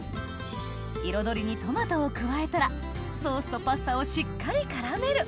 彩りにトマトを加えたらソースとパスタをしっかり絡める